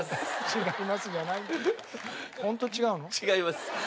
違います。